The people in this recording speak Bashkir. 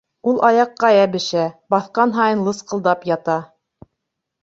Ул аяҡҡа йәбешә, баҫҡан һайын лысҡылдап ята.